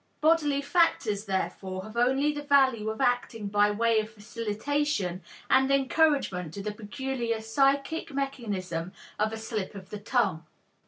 Bodily factors, therefore, have only the value of acting by way of facilitation and encouragement to the peculiar psychic mechanism of a slip of the tongue.